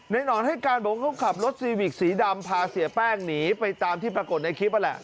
หนอนให้การบอกว่าเขาขับรถซีวิกสีดำพาเสียแป้งหนีไปตามที่ปรากฏในคลิปนั่นแหละ